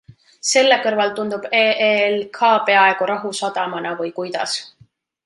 Selle kõrval tundub EELK peaaegu rahusadamana või kuidas?